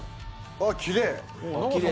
あっきれい！